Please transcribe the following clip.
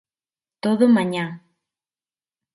Todo mañá.